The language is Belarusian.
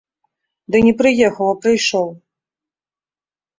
Ды не прыехаў, а прыйшоў.